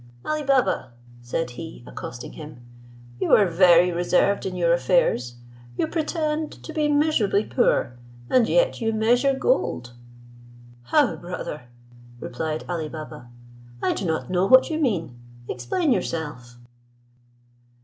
"All Baba," said he, accosting him, "you are very reserved in your affairs; you pretend to be miserably poor, and yet you measure gold." "How, brother?" replied Ali Baba; "I do not know what you mean: explain yourself."